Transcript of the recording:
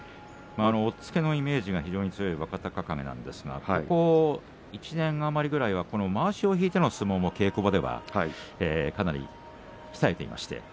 押っつけのイメージが強い若隆景ですが、ここ１年余りまわしを引いての相撲も稽古場ではかなり鍛えています。